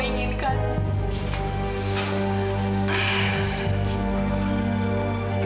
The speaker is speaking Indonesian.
apa yang kamu inginkan